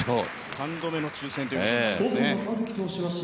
３度目の抽選ということになりますね。